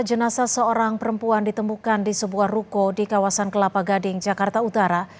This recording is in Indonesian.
jenasa seorang perempuan ditemukan di sebuah ruko di kawasan kelapa gading jakarta utara